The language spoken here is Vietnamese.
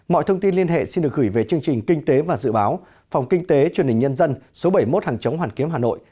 mọi thông tin liên hệ xin được gửi về chương trình kinh tế và dự báo phòng kinh tế truyền hình nhân dân số bảy mươi một hàng chống hoàn kiếm hà nội